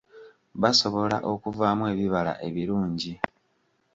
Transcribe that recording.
Basobola okuvaamu ebibala ebirungi.